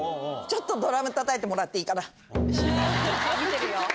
ちょっとドラムたたいてもら見てるよ。